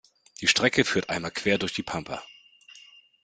Die Strecke führt einmal quer durch die Pampa.